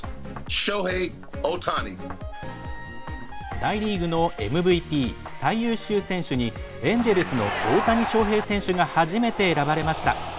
大リーグのＭＶＰ、最優秀選手にエンジェルスの大谷翔平選手が初めて選ばれました。